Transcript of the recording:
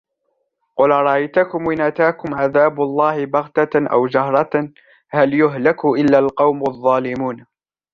قُلْ أَرَأَيْتَكُمْ إِنْ أَتَاكُمْ عَذَابُ اللَّهِ بَغْتَةً أَوْ جَهْرَةً هَلْ يُهْلَكُ إِلَّا الْقَوْمُ الظَّالِمُونَ